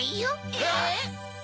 えっ？